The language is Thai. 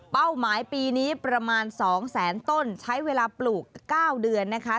หมายปีนี้ประมาณ๒แสนต้นใช้เวลาปลูก๙เดือนนะคะ